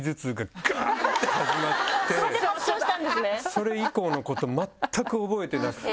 それ以降のこと全く覚えてなくて。